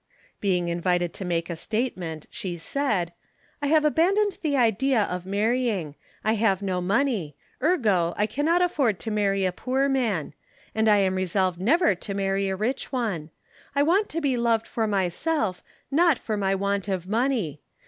Being invited to make a statement, she said: "I have abandoned the idea of marrying. I have no money. Ergo, I cannot afford to marry a poor man. And I am resolved never to marry a rich one. I want to be loved for myself, not for my want of money.